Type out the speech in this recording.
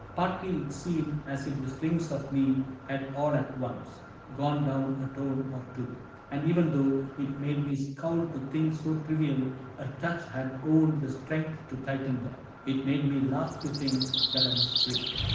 Partly it seemed As if the strings pf me had all at once Gone down a tone or two ; and even though It made me scowl to think so trivial A touch had owned the strength to tighten them, It made me laugh to think that I was free.